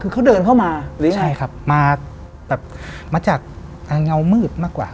คือเขาเดินเข้ามาหรือใช่ครับมาแบบมาจากเงามืดมากกว่า